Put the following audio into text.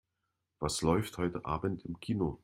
Was läuft heute Abend im Kino?